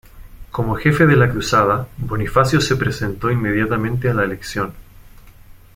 Como jefe de la cruzada, Bonifacio se presentó inmediatamente a la elección.